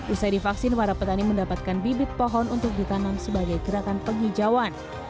usai divaksin para petani mendapatkan bibit pohon untuk ditanam sebagai gerakan penghijauan